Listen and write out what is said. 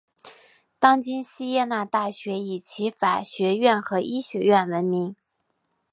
当今锡耶纳大学以其法学院和医学院闻名。